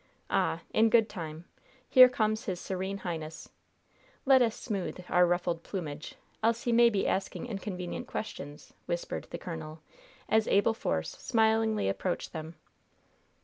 Ah! in good time. Here comes his serene highness. Let us smooth our ruffled plumage, else he may be asking inconvenient questions," whispered the colonel, as Abel Force smilingly approached them.